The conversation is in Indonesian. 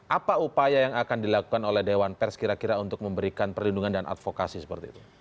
apa upaya yang akan dilakukan oleh dewan pers kira kira untuk memberikan perlindungan dan advokasi seperti itu